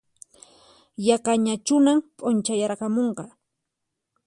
Yaqañachunan p'unchayaramunqa